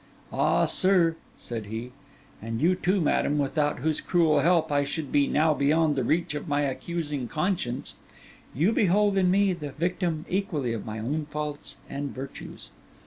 Ah, sir,' said he, 'and you too, madam, without whose cruel help I should be now beyond the reach of my accusing conscience, you behold in me the victim equally of my own faults and virtues.